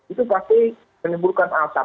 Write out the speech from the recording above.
itu pasti menimbulkan asap